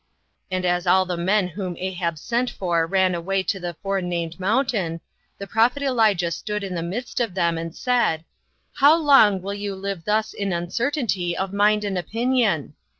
And as all the men whom Ahab sent for ran away to the forenamed mountain, the prophet Elijah stood in the midst of them, and said, "How long will you live thus in uncertainty of mind and opinion?"